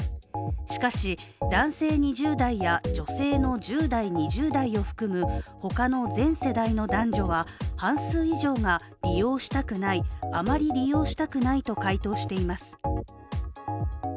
しかし、男性２０代や女性の１０代、２０代を含む他の全世代の男女は、半数以上が利用したくないあまり利用したくないと回答しています。